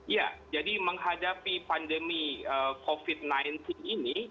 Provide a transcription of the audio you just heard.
ya jadi menghadapi pandemi covid sembilan belas ini